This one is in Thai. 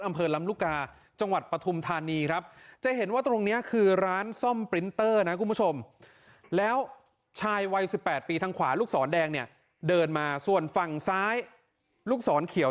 อำเภอลำลูกกาจังหวัดปฐุมธานีครับจะเห็นว่าตรงนี้คือร้านซ่อมปรินเตอร์นะคุณผู้ชมแล้วชายวัย๑๘ปีทางขวาลูกศรแดงเนี่ยเดินมาส่วนฝั่งซ้ายลูกศรเขียว